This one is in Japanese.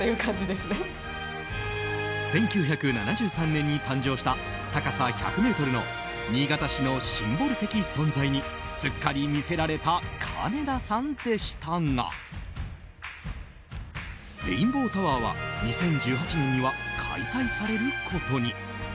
１９７３年に誕生した高さ１００ｍの新潟市のシンボル的存在にすっかり魅せられたかねださんでしたがレインボータワーは２０１８年には解体されることに。